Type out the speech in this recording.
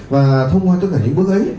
và thông qua tất cả những bước ấy